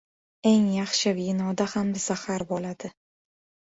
• Eng yaxshi vinoda ham zahar bo‘ladi.